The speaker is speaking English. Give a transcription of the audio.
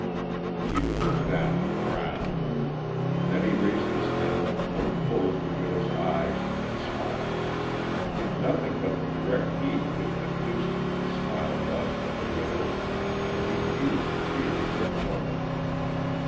Peter looked down and frowned. Then he raised his head and looked full in the widow's eyes and smiled. Nothing but the direct need could have induced him to smile thus at the widow for he knew and feared the result.